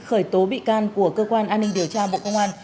khởi tố bị can của cơ quan an ninh điều tra bộ công an